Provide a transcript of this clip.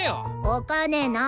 お金ない。